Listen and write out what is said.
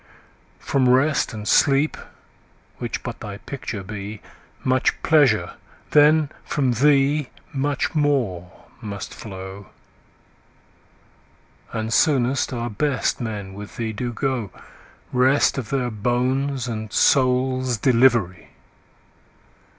From Rest and Sleep, which but thy picture be, 5 Much pleasure, then from thee much more must flow; And soonest our best men with thee do go— Rest of their bones and souls' delivery!